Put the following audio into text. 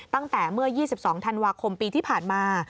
ตั้งแต่เมื่อ๒๒ธันวาคมปีที่ผ่านมา